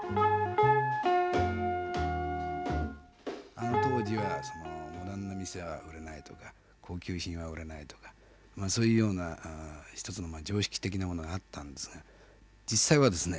あの当時はモダンな店は売れないとか高級品は売れないとかそういうような一つの常識的なものがあったんですが実際はですね